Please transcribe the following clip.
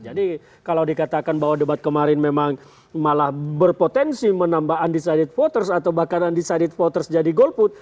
jadi kalau dikatakan bahwa debat kemarin memang malah berpotensi menambah undecided voters atau bahkan undecided voters jadi golput